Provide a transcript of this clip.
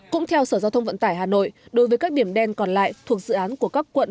cũng theo sở giao thông vận tải hà nội đối với các điểm đen còn lại thuộc dự án của các quận